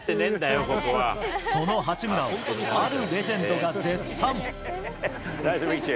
その八村をあるレジェンドが絶賛。